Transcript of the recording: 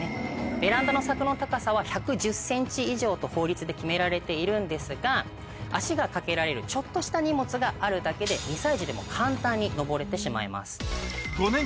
ベランダの柵の高さは１１０ｃｍ以上と法律で決められているんですが足がかけられるちょっとした荷物があるだけで２歳児でも簡単に登れてしまいます。